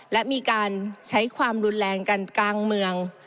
และมีการใช้ความรุนแรงกันกลางเมือง